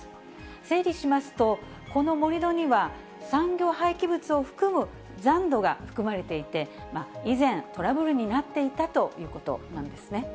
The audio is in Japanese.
整理しますと、この盛り土には、産業廃棄物を含む残土が含まれていて、以前、トラブルになっていたということなんですね。